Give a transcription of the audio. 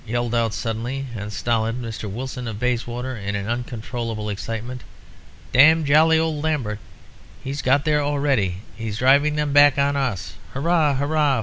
yelled out suddenly the stolid Mr. Wilson of Bayswater, in an uncontrollable excitement. 'Damned jolly old Lambert! He's got there already! He's driving them back on us! Hurrah! hurrah!